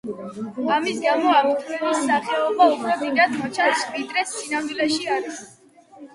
ამის გამო აფთრის ეს სახეობა უფრო დიდად მოჩანს, ვიდრე სინამდვილეში არის.